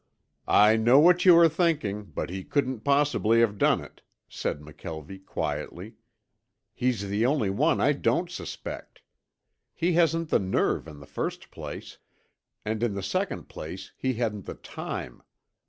"I know what you are thinking, but he couldn't possibly have done it," said McKelvie quietly. "He's the only one I don't suspect. He hasn't the nerve in the first place, and in the second place he hadn't the time.